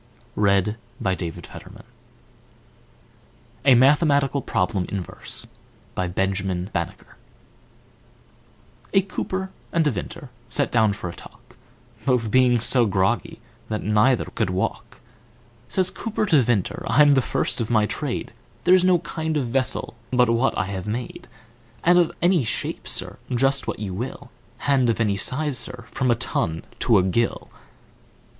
Q R . S T . U V . W X . Y Z A Mathematical Problem in Verse A COOPER and Vintner sat down for a talk, Both being so groggy, that neither could walk, Says Cooper to Vintner, "I'm the first of my trade, There's no kind of vessel, but what I have made, And of any shpe, Sir, just what you will, And of any size, Sir, from a ton to a gill!"